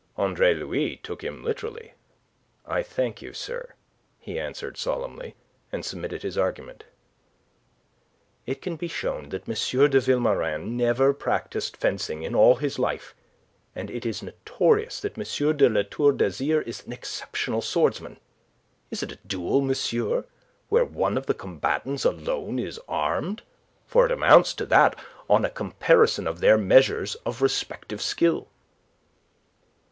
Andre Louis took him literally. "I thank you, sir," he answered, solemnly, and submitted his argument. "It can be shown that M. de Vilmorin never practised fencing in all his life, and it is notorious that M. de La Tour d'Azyr is an exceptional swordsman. Is it a duel, monsieur, where one of the combatants alone is armed? For it amounts to that on a comparison of their measures of respective skill."